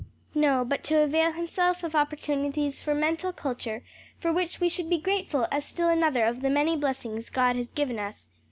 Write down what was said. "No, but to avail himself of opportunities for mental culture for which we should be grateful as still another of the many blessings God has given us.